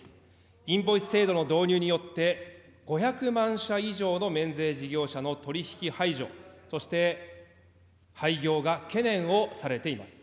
インボイス制度の導入によって、５００万者以上の免税事業者の取り引き排除、そして廃業が懸念をされています。